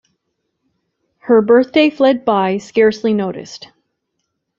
Her birthday fled by scarcely noticed.